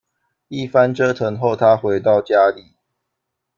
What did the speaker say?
一番折腾后她回到家里